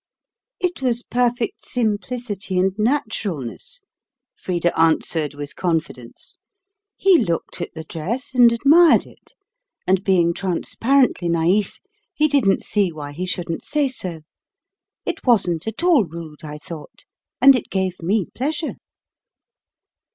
"It was perfect simplicity and naturalness," Frida answered with confidence. "He looked at the dress, and admired it, and being transparently naif, he didn't see why he shouldn't say so. It wasn't at all rude, I thought and it gave me pleasure."